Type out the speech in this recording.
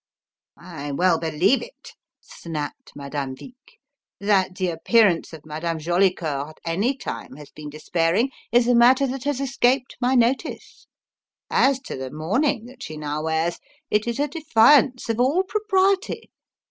"I well believe it!" snapped Madame Vic. "That the appearance of Madame Jolicoeur at any time has been despairing is a matter that has escaped my notice. As to the mourning that she now wears, it is a defiance of all propriety.